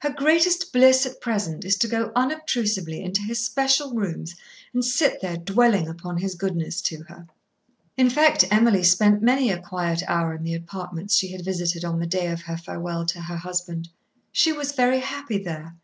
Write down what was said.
Her greatest bliss at present is to go unobtrusively into his special rooms and sit there dwelling upon his goodness to her." In fact Emily spent many a quiet hour in the apartments she had visited on the day of her farewell to her husband. She was very happy there.